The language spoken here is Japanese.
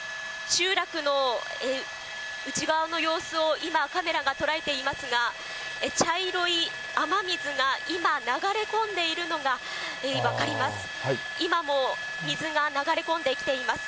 集落の内側の様子を今カメラが捉えていますが、茶色い雨水が今、流れ込んでいるのが分かります。